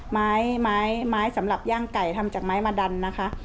ไม้ไม้สำหรับย่างไก่ทำจากไม้มาดันนะคะ